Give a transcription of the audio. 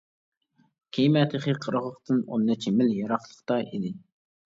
كېمە تېخى قىرغاقتىن ئون نەچچە مىل يىراقلىقتا ئىدى.